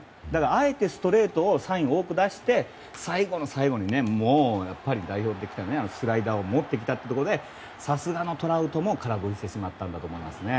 あえてストレートのサインを多く出して最後の最後に代表的なスライダーを持ってきたところでさすがのトラウトも空振りをしてしまったんだと思いますね。